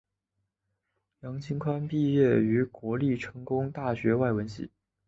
杨基宽毕业于国立成功大学外文系。